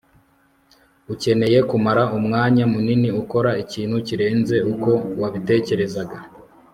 ukeneye kumara umwanya munini ukora ikintu kirenze uko wabitekerezaga